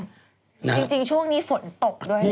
จริงช่วงนี้ฝนตกด้วยนะ